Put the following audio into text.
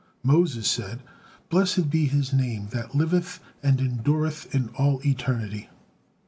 Moses said, "Blessed be His name that liveth and endureth in all eternity!"